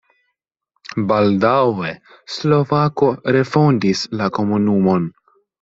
Baldaŭe slovakoj refondis la komunumon.